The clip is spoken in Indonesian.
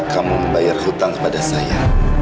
kamu membayar hutang kepada saya